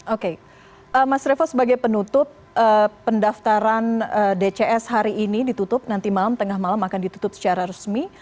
oke mas revo sebagai penutup pendaftaran dcs hari ini ditutup nanti malam tengah malam akan ditutup secara resmi